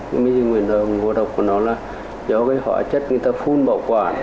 nhưng bây giờ ngộ độc của nó là do hóa chất người ta phun bảo quản